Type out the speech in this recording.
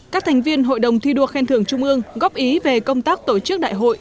các thành viên hội đồng thi đua khen thưởng trung ương góp ý về công tác tổ chức đại hội